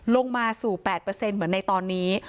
ลงมาสู่๘เหมือนในตอนนี้